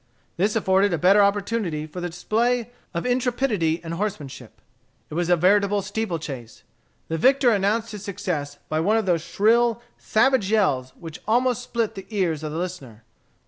This afforded a better opportunity for the display of intrepidity and horsemanship. It was a veritable steeple chase. The victor announced his success by one of those shrill, savage yells, which would almost split the ears of the listener.